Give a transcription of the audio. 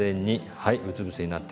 はい。